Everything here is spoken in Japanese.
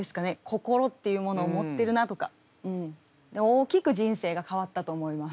心っていうものを持ってるなとかうん。大きく人生が変わったと思います。